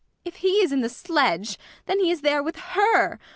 ] If he is in the sledge, then he is there with her, with her her!